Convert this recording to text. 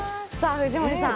藤森さん